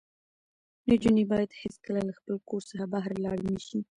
نجونې باید هېڅکله له خپل کور څخه بهر لاړې نه شي.